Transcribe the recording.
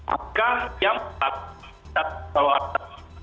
angka yang satu dasar warna